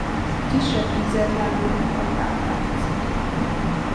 Kisebb ízeltlábúakkal táplálkozik.